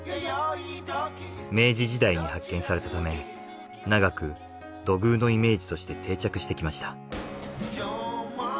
明治時代に発見されたため長く土偶のイメージとして定着してきました。